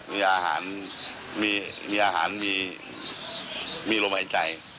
มีอาหารมีอาหารมีลมหายใจ